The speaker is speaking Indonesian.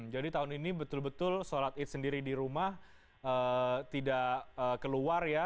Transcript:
jadi tahun ini betul betul sholat id sendiri di rumah tidak keluar ya